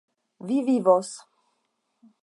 Vi vivos.